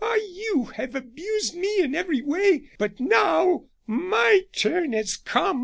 Ah! you have abused me in every way; but now my turn has come!"